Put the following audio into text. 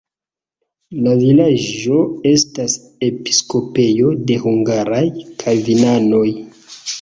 La vilaĝo estas episkopejo de hungaraj kalvinanoj.